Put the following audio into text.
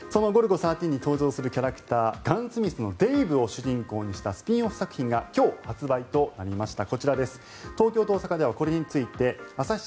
その「ゴルゴ１３」に登場するキャラクターガンスミスのデイブを主人公にしたスピンオフ作品が今日発売となりました。